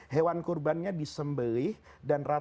hewan kurbannya disembahkan dengan makanan yang tersedia